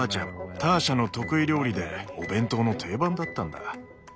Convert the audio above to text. ターシャの得意料理でお弁当の定番だったんだ。